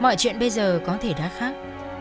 mọi chuyện bây giờ có thể đã khác